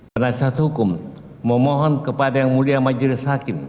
pada saat hukum memohon kepada yang mulia majelis